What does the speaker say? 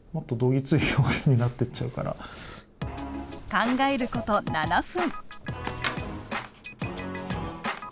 考えること７分。